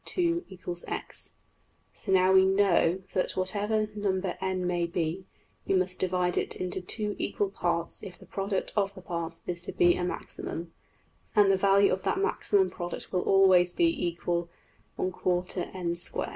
\\ \end{DPalign*} So now we \emph{know} that whatever number $n$ may be, we must divide it into two equal parts if the product of the parts is to be a maximum; and the value of that maximum product will always be $= \tfrac n^2$.